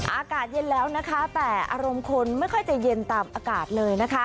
อากาศเย็นแล้วนะคะแต่อารมณ์คนไม่ค่อยจะเย็นตามอากาศเลยนะคะ